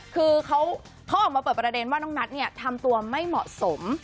คือเขาออกมาเปิดประเด็นว่าน้องนัทเนี่ยทำตัวไม่เหมาะสม